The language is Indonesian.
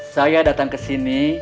saya datang ke sini